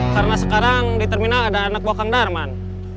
karena sekarang di terminal ada anak buah kang darman